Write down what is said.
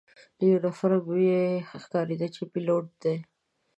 له یونیفورم یې ښکارېده چې پیلوټ دی.